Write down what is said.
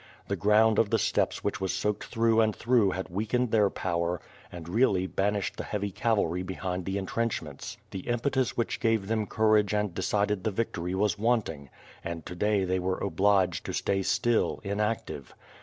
The ground of the steppes which was soaked through and through had weakened their power and really banished the heavy cavalry behind the entrenchments. The impetus which gave them courage and decided the victory was wanting, and to day they were obliged to stay still, inactive.